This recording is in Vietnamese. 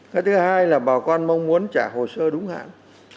cái thứ hai là bà con mong muốn trả hồ sơ đúng hạn